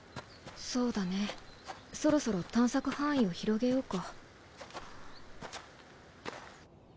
そうだねそろそろ探索範囲を広げようか。